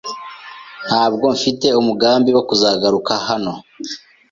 Ntabwo mfite umugambi wo kuzagaruka hano.